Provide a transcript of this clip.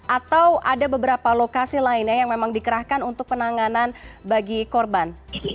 atau ada beberapa lokasi lainnya yang memang dikerahkan untuk penanganan bagi korban